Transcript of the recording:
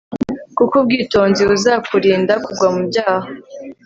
kuko ubwitonzi buzakurinda kugwa mu byaha